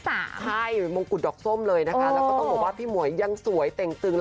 ใช่มงกุฎดอกส้มเลยนะคะแล้วก็ต้องบอกว่าพี่หมวยยังสวยเต็งตึง